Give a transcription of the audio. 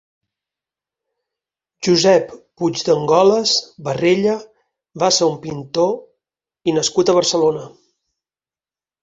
Josep Puigdengolas Barrella va ser un pintor l nascut a Barcelona.